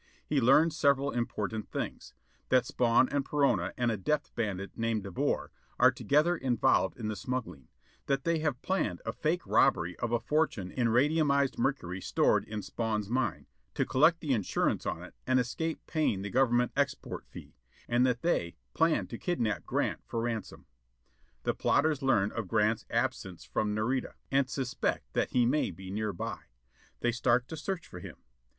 He learns several important things: that Spawn and Perona and a depth bandit named De Boer are together involved in the smuggling; that they have planned a fake robbery of a fortune in radiumized mercury stored at Spawn's mine, to collect the insurance on it and escape paying the Government export fee: and that they, plan to kidnap Grant for ransom. The plotters learn of Grant's absence from Nareda, and suspect that he may be nearby. They start to search for him.